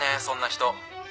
そんな人。